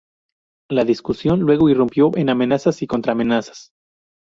La discusión luego irrumpió en amenazas y contra amenazas.